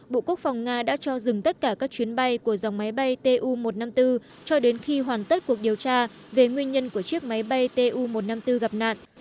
bộ quốc phòng nga đã cho dừng tất cả các chuyến bay của dòng máy bay tu một trăm năm mươi bốn cho đến khi hoàn tất cuộc điều tra về nguyên nhân của chiếc máy bay tu một trăm năm mươi bốn gặp nạn